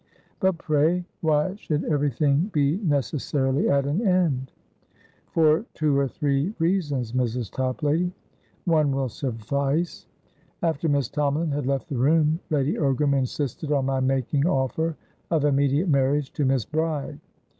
"But, pray, why should everything be necessarily at an end?" "For two or three reasons, Mrs. Toplady. One will suffice. After Miss Tomalin had left the room, Lady Ogram insisted on my making offer of immediate marriage to Miss Bride.